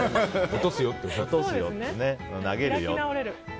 落とすよ、投げるよってね。